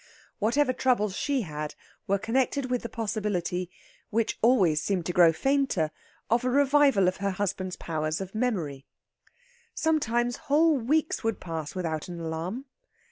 Whatever troubles she had were connected with the possibility, which always seemed to grow fainter, of a revival of her husband's powers of memory. Sometimes whole weeks would pass without an alarm.